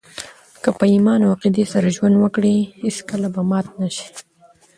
که په ایمان او عقیدې سره ژوند وکړئ، هېڅکله به مات نه سئ!